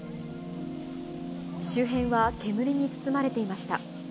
周辺は煙に包まれていました。